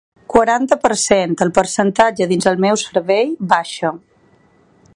Quaranta per cent El percentatge dins el meu cervell baixa.